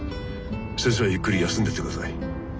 先生はゆっくり休んでてください。